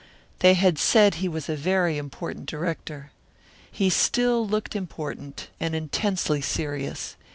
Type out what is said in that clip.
They had said he was a very important director. He still looked important and intensely serious.